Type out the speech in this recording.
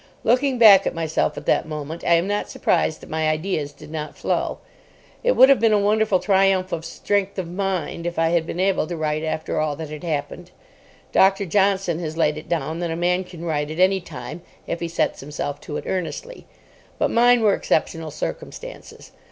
Looking back at myself at that moment, I am not surprised that my ideas did not flow. It would have been a wonderful triumph of strength of mind if I had been able to write after all that had happened. Dr. Johnson has laid it down that a man can write at any time, if he sets himself to it earnestly; but mine were exceptional circumstances.